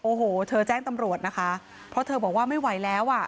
โอ้โหเธอแจ้งตำรวจนะคะเพราะเธอบอกว่าไม่ไหวแล้วอ่ะ